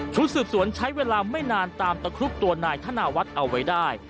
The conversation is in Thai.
สืบสวนใช้เวลาไม่นานตามตะครุบตัวนายธนาวัฒน์เอาไว้ได้